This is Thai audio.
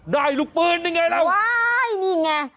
ได้ลูกปืนนี่ไงแล้วว้ายนี่ไง